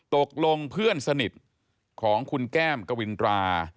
ตกลงเพื่อนสนิทของคุณแก้มกวินตรา